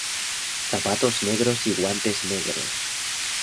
Zapatos negros y guantes negros.